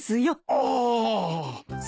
ああ。